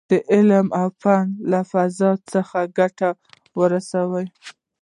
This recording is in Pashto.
د علم او فن له فیض څخه ګټه ورسوو.